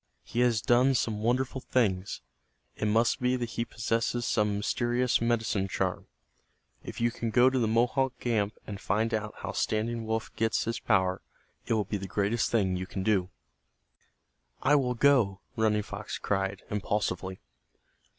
He has done some wonderful things. It must be that he possesses some mysterious medicine charm. If you can go to the Mohawk camp and find out how Standing Wolf gets his power it will be the greatest thing you can do." "I will go," Running Fox cried, impulsively.